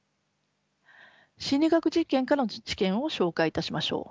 心理学実験からの知見を紹介いたしましょう。